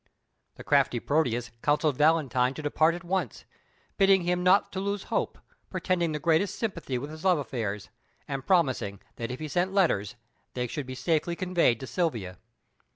The crafty Proteus counselled Valentine to depart at once, bidding him not to lose hope, pretending the greatest sympathy with his love affairs, and promising that if he sent letters they should be safely conveyed to Silvia.